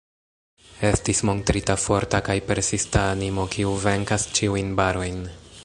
Estis montrita forta kaj persista animo, kiu venkas ĉiujn barojn.